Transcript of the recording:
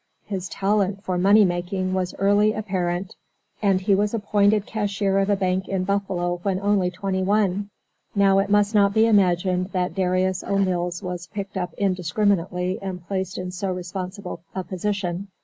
His talent for money making was early apparent, and he was appointed cashier of a bank in Buffalo when only twenty one. Now it must not be imagined that Darius O. Mills was picked up indiscriminately and placed in so responsible a position.